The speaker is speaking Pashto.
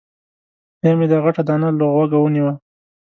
بیا مې دا غټه دانه له غوږه ونیوه.